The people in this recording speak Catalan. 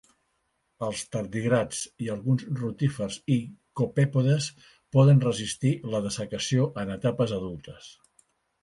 Els tardígrads, i alguns rotífers i copèpodes poden resistir la dessecació en etapes adultes.